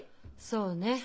そうね。